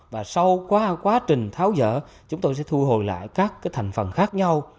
và sau quá trình tháo dỡ chúng tôi sẽ thu hồi lại các thành phần khác nhau